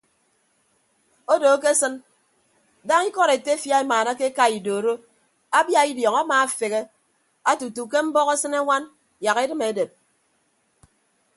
Odo akesịn daña ikọd etefia emaanake eka idoro abia idiọñ amaafeghe ate utu ke mbọk asịne añwan yak edịm edep.